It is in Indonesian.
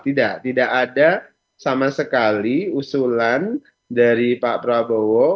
tidak tidak ada sama sekali usulan dari pak prabowo